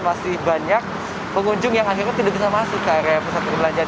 masih banyak pengunjung yang akhirnya tidak bisa masuk ke area pusat perbelanjaan